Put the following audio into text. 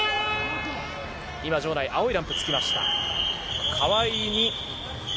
今、場内に青いランプがつきました。